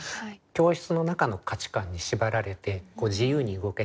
教室の中の価値観に縛られて自由に動けない。